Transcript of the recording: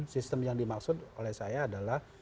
sistem yang dimaksud oleh saya adalah